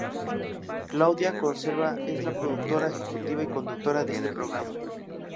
Claudia Conserva es la productora ejecutiva y conductora de este programa.